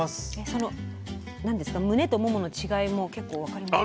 そのむねとももの違いも結構分かります？